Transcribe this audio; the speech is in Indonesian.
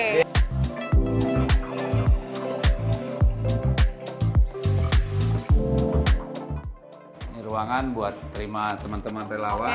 ini ruangan buat terima teman teman relawan